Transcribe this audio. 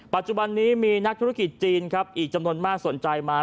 ปัจจุบันนี้มีนักธุรกิจจีนครับอีกจำนวนมากสนใจมา